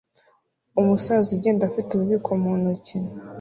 umusaza ugenda afite ububiko mu ntoki